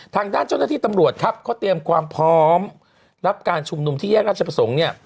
ทางด้านเจ้าหน้าที่ตำรวจครับเขาเตรียมความพร้อมรับการชุมนุมที่แยกราชประสงค์เนี่ย